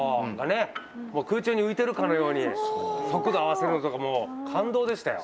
空中に浮いてるかのように速度合わせるのとかも感動でしたよ。